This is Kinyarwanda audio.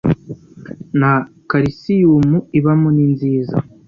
na kalisiyumu ibamo ninziza